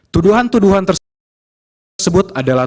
tuduhan tuduhan tersebut adalah